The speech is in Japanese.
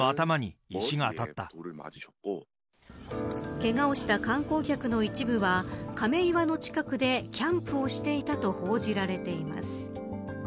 けがをした観光客の一部は亀岩の近くでキャンプをしていたと報じられています。